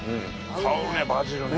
香るねバジルね。